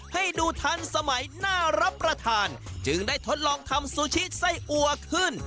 ให้ดูทันสมัยน่ารับประทานจึงได้ทดลองทำซูชิไส้อัวขึ้น